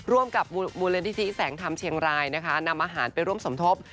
ร่วมกับบุรณฐฤษีแสงทำเชียงรายนะคะนำอาหารไปร่วมสมทบ